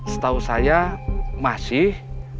setahu saya masih